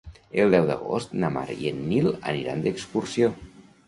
El deu d'agost na Mar i en Nil aniran d'excursió.